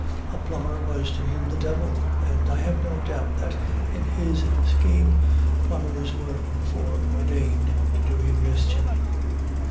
A plumber was to him the devil, and I have no doubt that, in his scheme, plumbers were foreordained to do him mischief.